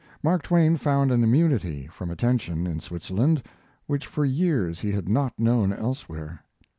Mark Twain found an immunity from attention in Switzerland, which for years he had not known elsewhere.